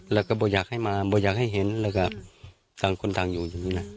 แล้วก็ไม่อยากให้มาไม่อยากให้เห็นแล้วก็ทางคนทางอยู่อยู่นะ